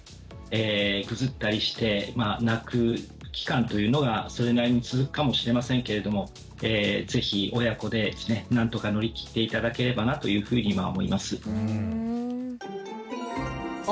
ぐずったりしてまあ泣く期間というのがそれなりに続くかもしれませんけれども是非親子でですね何とか乗り切って頂ければなというふうに思います。